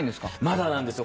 まだなんですよ。